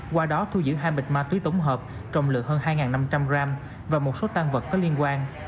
qua đó thu giữ hai bịch ma túy tổng hợp trọng lượng hơn hai năm trăm linh g và một số tan vật có liên quan